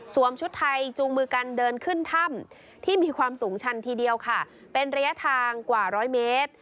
ชุดไทยจูงมือกันเดินขึ้นถ้ำที่มีความสูงชันทีเดียวค่ะเป็นระยะทางกว่าร้อยเมตร